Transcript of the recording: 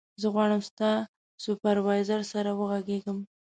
زه غواړم ستا سوپروایزر سره وغږېږم.